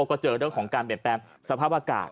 ก็เจอเรื่องของการเปลี่ยนแปลงสภาพอากาศ